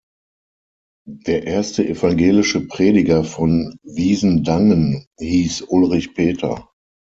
Der erste evangelische Prediger von Wiesendangen hiess Ulrich Peter.